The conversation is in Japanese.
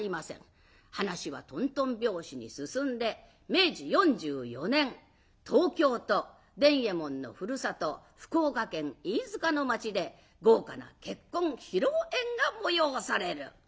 話はとんとん拍子に進んで明治４４年東京と伝右衛門のふるさと福岡県飯塚の町で豪華な結婚披露宴が催される。